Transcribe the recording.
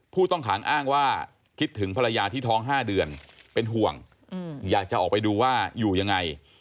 ผู้ต้องขังอ้างว่าคิดถึงภรรยาที่ท้อง๕เดือนเป็นห่วงอยากจะออกไปดูว่าอยู่ยังไง